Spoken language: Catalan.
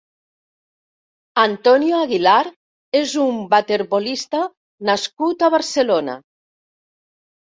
Antonio Aguilar és un waterpolista nascut a Barcelona.